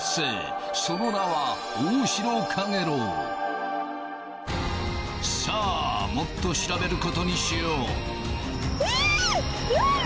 その名はさぁもっと調べることにしようあぁ！